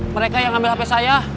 mereka yang ambil hp saya